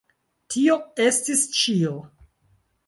Tio estis ĉio.